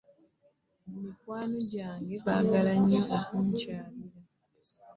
Mikwano gyange baagala nnyo okunkyalira.